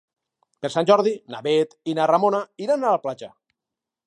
Per Sant Jordi na Bet i na Ramona iran a la platja.